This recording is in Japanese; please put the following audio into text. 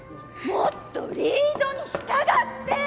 もっとリードに従って！